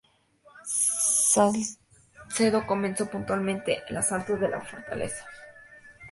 Salcedo comenzó puntualmente el asalto de la fortaleza.